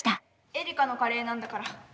エリカのカレーなんだから。